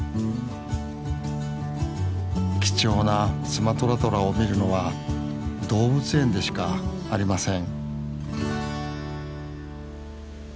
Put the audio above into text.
貴重なスマトラトラを見るのは動物園でしかありません